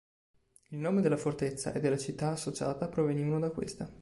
Il nome della fortezza e della città associata provenivano da questa.